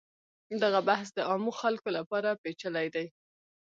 دغه بحث د عامو خلکو لپاره پیچلی دی.